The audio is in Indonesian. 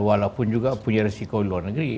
walaupun juga punya resiko di luar negeri